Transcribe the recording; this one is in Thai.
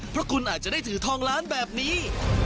เพราะคุณอาจจะได้ถือทองล้านแบบนี้